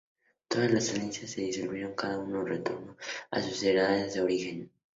Todas las alianzas se disolvieron y cada uno retornó a sus ciudades de origen.